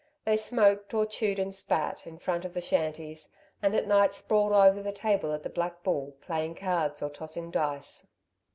They smoked, or chewed and spat, in front of the shanties, and at night sprawled over the table at the Black Bull, playing cards or tossing dice.